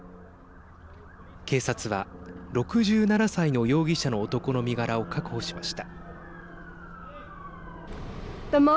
警察は６７歳の容疑者の男の身柄を確保しました。